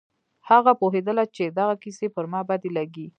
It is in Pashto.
هغه پوهېدله چې دغه کيسې پر ما بدې لگېږي.